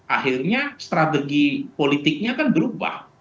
akhirnya strategi politiknya kan berubah